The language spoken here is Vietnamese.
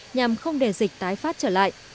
nhằm không để dịch tái phát trở lại